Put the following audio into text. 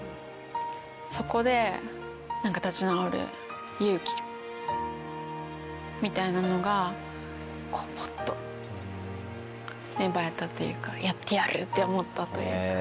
そこで立ち直る勇気みたいなのがポッと芽生えたというかやってやる！って思ったというか。